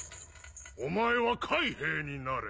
お前は海兵になれ